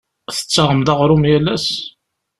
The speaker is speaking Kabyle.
Tettaɣem-d aɣrum yal ass?